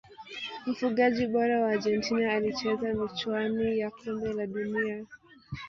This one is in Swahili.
mfungaji bora wa argentina alicheza michuani ya kombe la dunia